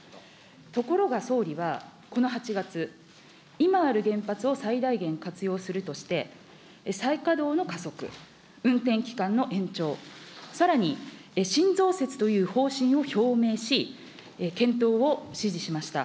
ところが総理はこの８月、今ある原発を最大限活用するとして、再稼働の加速、運転期間の延長、さらに新増設という方針を表明し、検討を指示しました。